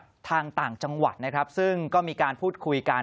ทางต่างจังหวัดนะครับซึ่งก็มีการพูดคุยกัน